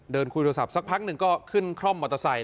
คุยโทรศัพท์สักพักหนึ่งก็ขึ้นคร่อมมอเตอร์ไซค